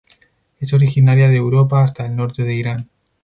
Es originaria de Europa hasta el norte de Irán.